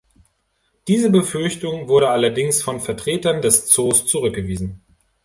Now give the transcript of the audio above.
Diese Befürchtung wurde allerdings von Vertretern des Zoos zurückgewiesen.